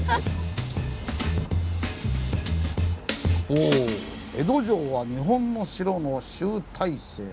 お「江戸城は日本の城の集大成！